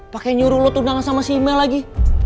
pakai nyuruh lo tundangan sama si mel lagi